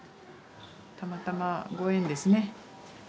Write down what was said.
たまたまご縁ですね。